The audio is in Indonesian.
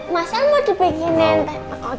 masalah mau dibikin nanti pak